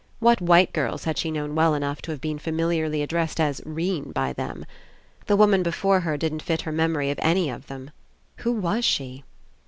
What white girls had she known well enough to have been familiarly addressed as 'Rene by them? The woman before her didn't fit her memory of any of them. Who was she?